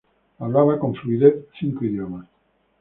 Hablaba con fluidez cinco idiomas.